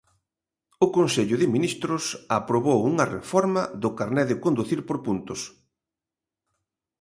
O Consello de Ministros aprobou unha reforma do carné de conducir por puntos.